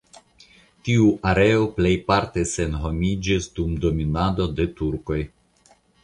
Tiu areo plejparte senhomiĝis dum dominado de turkoj.